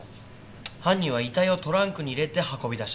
犯人は遺体をトランクに入れて運び出したんですね。